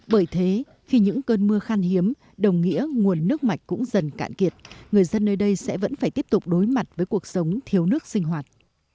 bởi thế khi những cơn mưa khan hiếm đồng nghĩa nguồn nước mạch cũng dần cạn kiệt người dân nơi đây sẽ vẫn phải tiếp tục đối mặt với cuộc sống thiếu nước sinh hoạt